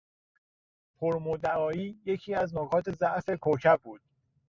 پرمدعایی یکی از نکات ضعف کوکب بود.